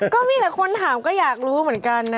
ก็มีแต่คนถามก็อยากรู้เหมือนกันนะ